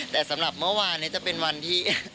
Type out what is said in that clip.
แต่สำหรับเมื่อวานนี้จะเป็นวันที่